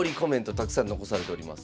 たくさん残されております。